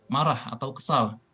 marah atau kesal